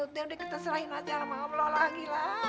udah udah kita serahin aja sama allah lagi lah